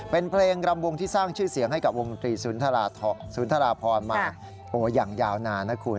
เป็นเพลงรำวงที่สร้างชื่อเสียงให้กับวงดนตรีศูนย์ทราพรมาอย่างยาวนานนะคุณ